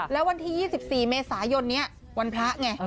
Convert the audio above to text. แล้ววันที่๒๔เมษายนนี้วันพระไง